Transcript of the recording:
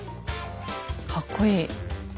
かっこいい。